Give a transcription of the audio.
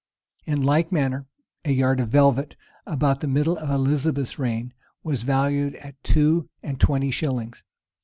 In like manner, a yard of velvet, about the middle of Elizabeth's reign, was valued at two and twenty shillings.